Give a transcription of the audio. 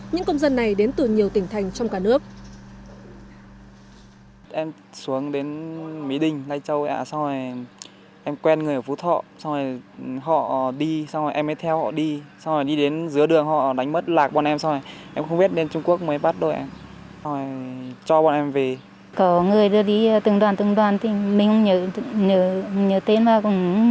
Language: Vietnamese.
những công dân này đến từ nhiều tỉnh thành trong cả nước